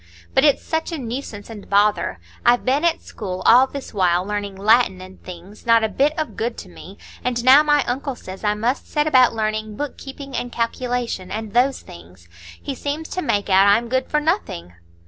But it's such a nuisance and bother; I've been at school all this while learning Latin and things,—not a bit of good to me,—and now my uncle says I must set about learning book keeping and calculation, and those things. He seems to make out I'm good for nothing."